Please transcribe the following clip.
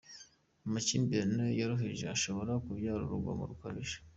Amakimbirane yoroheje ashobora kubyara urugomo rukabije.